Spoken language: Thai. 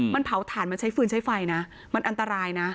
มันเผาถ่านมันใช้ฟืนใช้ไฟนะมันอันตรายนะ